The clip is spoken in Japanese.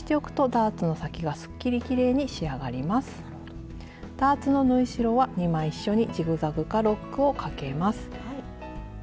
ダーツの縫い代は２枚一緒にジグザグかロックをかけます。